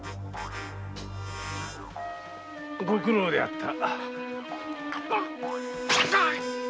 ご苦労であった。